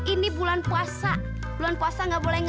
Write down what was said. ini bulan puasa